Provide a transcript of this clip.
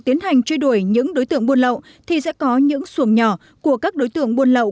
tiến hành chơi đuổi những đối tượng buôn lậu thì sẽ có những xuồng nhỏ của các đối tượng buôn lậu